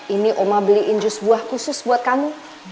ini oma beliin jus buah khusus buat kamu